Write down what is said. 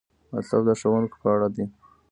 مطلب د ښوونکي په اړه دی.